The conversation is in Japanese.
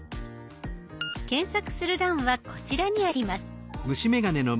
検索する欄はこちらにあります。